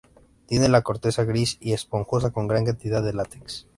Tiene la corteza gris y esponjosa con gran cantidad de latex.